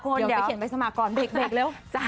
เดี๋ยวเขียนใบสมัครก่อนเบรกเร็ว